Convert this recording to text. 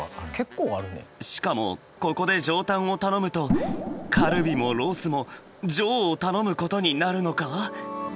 しかもここで上タンを頼むとカルビもロースも「上」を頼むことになるのか？